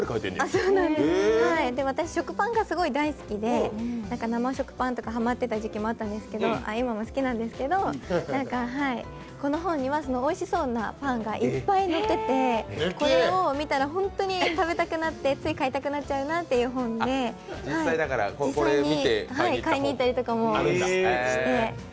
私、食パンがすごい大好きで、生食パンとかはまってた時期もあって今も好きなんですけど、この本にはおいしそうなパンがたくさん載ってて、これを見たら本当に食べたくなって、つい買いたくなっちゃうなという本で、実際に買いにいったりとかもして。